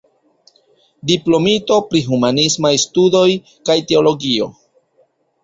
Diplomito pri Humanismaj Studoj kaj Teologio.